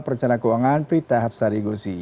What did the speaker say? perencanaan keuangan prita habsari gosi